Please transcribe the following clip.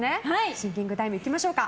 シンキングタイムいきましょうか。